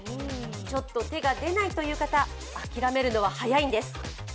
ちょっと手が出ないという方、諦めるのは早いんです。